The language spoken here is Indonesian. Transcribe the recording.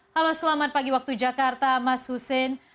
halo selamat pagi waktu jakarta mas hussein